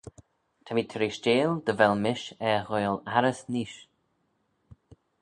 Ta mee treishteil dy vel mish er ghoaill arrys neesht.